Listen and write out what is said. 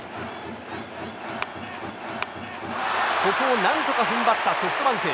ここを何とか踏ん張ったソフトバンク。